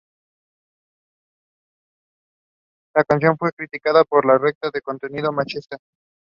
In addition he completed an education in piano and singing.